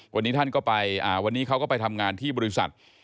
วันนี้ท่านก็ไปวันนี้เขาก็ไปทำงานที่บริษัท